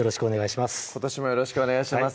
今年もよろしくお願いします